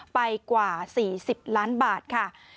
ไปกว่า๔๐ล้านบาทค่ะ